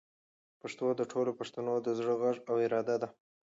پښتو د ټولو پښتنو د زړه غږ او اراده ده.